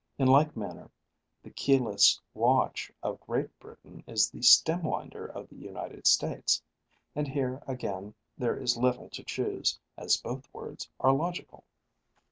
In like manner the keyless watch of Great Britain is the stem winder of the United States; and here, again, there is little to choose, as both words are logical.